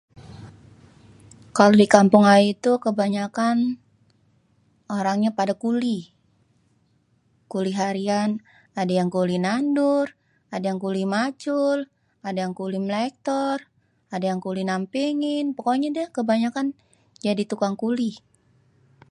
Kalo di kampung ayé tuh kebanyakan orangnyé padê kulih. Kulih harian ada yang kuli nandur, ada yang kuli macul, ada yang kuli méléktor, ada yang kulih nampirin, pokoknya kebanyakan jadi tukang kulih.